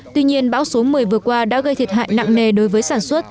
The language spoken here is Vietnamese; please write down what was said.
tuy nhiên bão số một mươi vừa qua đã gây thiệt hại nặng nề đối với sản xuất